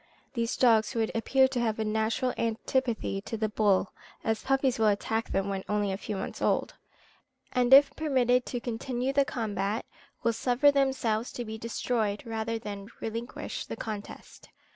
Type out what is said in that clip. These dogs would appear to have a natural antipathy to the bull, as puppies will attack them when only a few months old, and if permitted to continue the combat, will suffer themselves to be destroyed rather than relinquish the contest.